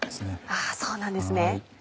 あそうなんですね。